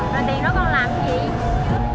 rồi tiền đó con làm cái gì